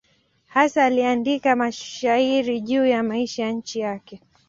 Hasa aliandika mashairi juu ya maisha ya nchi yake.